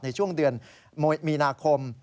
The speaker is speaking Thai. ในช่วงเดือนมีนาคม